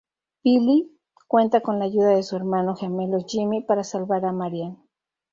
Billy cuenta con la ayuda de su hermano gemelo Jimmy para salvar a Marian.